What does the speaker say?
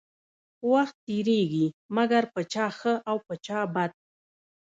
وخت تيريږي مګر په چا ښه او په چا بد.